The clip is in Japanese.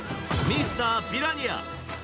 ミスターピラニア。